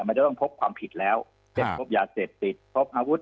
มันจะต้องพบความผิดแล้วได้พบยาเสพติดพบอาวุธ